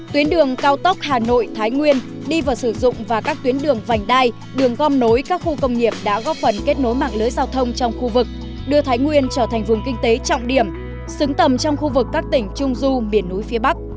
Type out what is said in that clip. tuyến đường cao tốc hà nội thái nguyên đi vào sử dụng và các tuyến đường vành đai đường gom nối các khu công nghiệp đã góp phần kết nối mạng lưới giao thông trong khu vực đưa thái nguyên trở thành vùng kinh tế trọng điểm xứng tầm trong khu vực các tỉnh trung du miền núi phía bắc